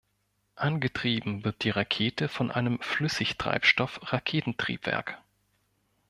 Angetrieben wird die Rakete von einem Flüssigtreibstoff-Raketentriebwerk.